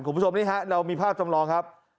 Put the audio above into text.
คุณผู้ชมนี่ฮะเรามีภาพจำลองครับ